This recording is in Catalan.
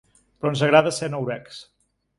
Però ens agrada ser noruecs.